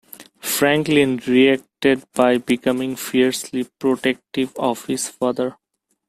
Franklin reacted by becoming fiercely protective of his father.